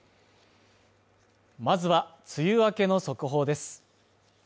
まずは、梅雨明けの速報です。